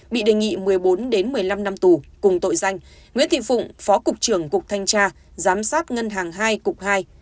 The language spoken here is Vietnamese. bị đề nghị một mươi bốn một mươi năm năm tù cùng tội danh nguyễn thị phụng phó cục trưởng cục thanh tra giám sát ngân hàng hai cục hai